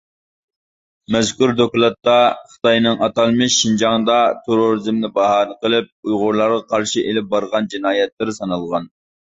مەزكۇر دوكلاتتا خىتاينىڭ ئاتالمىش «شىنجاڭدا »تېررورىزمنى باھانە قىلىپ ئۇيغۇرلارغا قارشى ئىلىپ بارغان جىنايەتلىرى سانالغان.